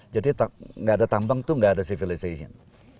jadi gak ada tambang itu gak ada civilization